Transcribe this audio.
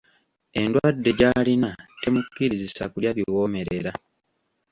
Enddwadde gy'alina temukkirizisa kulya biwoomerera.